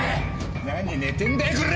何寝てんだよこら！